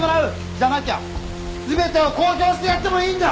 じゃなきゃ全てを公表してやってもいいんだ！